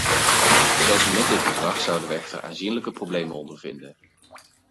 Zelfs met dit bedrag zouden we echter aanzienlijke problemen ondervinden.